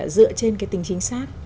dựa trên cái tính chính xác